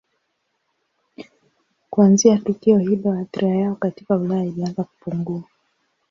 Kuanzia tukio hilo athira yao katika Ulaya ilianza kupungua.